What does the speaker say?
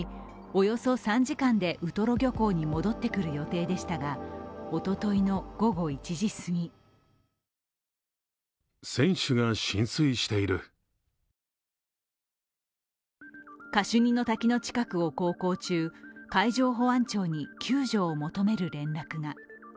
およそ３時間でウトロ漁港に戻ってくる予定でしたが、おとといの午後１時すぎカシュニの滝の近くを航行中海上保安庁に救助を求める連絡が。